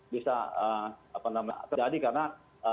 bisa terjadi karena